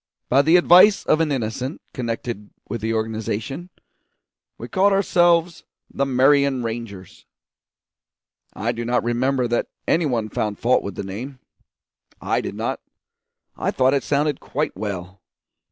By the advice of an innocent connected with the organisation, we called ourselves the Marion Rangers. I do not remember that any one found fault with the name. I did not; I thought it sounded quite well.